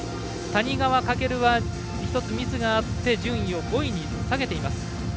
谷川翔は１つミスがあって順位を５位に下げています。